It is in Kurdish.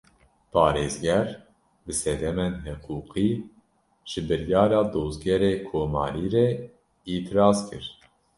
Parêzger, bi sedemên hiqûqî, ji biryara Dozgerê Komarî re îtiraz kir